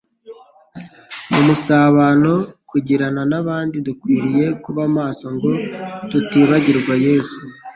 Mu musabano tugirana n'abandi, dukwiriye kuba maso ngo tutibagirwa Yesu,